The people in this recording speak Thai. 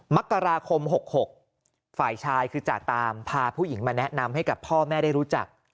มกราคม๖๖ฝ่ายชายคือจ่าตามพาผู้หญิงมาแนะนำให้กับพ่อแม่ได้รู้จัก